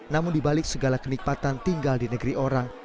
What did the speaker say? namun dibalik segala kenikmatan tinggal di negeri orang